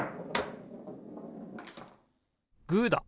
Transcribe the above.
グーだ！